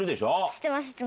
知ってます。